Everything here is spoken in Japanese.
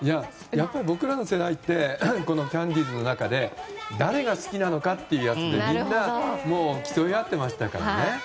やっぱり僕らの世代ってこのキャンディーズの中で誰が好きなのかってことでみんな競い合ってましたからね。